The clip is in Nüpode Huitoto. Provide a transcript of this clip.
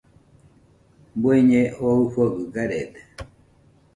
Bueñe oo ɨfogɨ garede.